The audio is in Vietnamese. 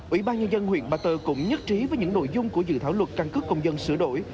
ủy ban nhân dân huyện ba tơ cũng nhất trí với những nội dung của dự thảo luật căn cước công dân sửa đổi